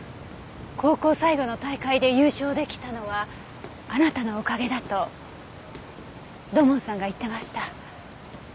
高校最後の大会で優勝出来たのはあなたのおかげだと土門さんが言ってました。